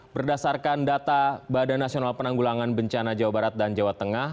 berdasarkan data badan nasional penanggulangan bencana jawa barat dan jawa tengah